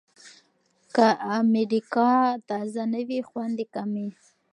که مډیګا تازه نه وي، خوند یې کم وي.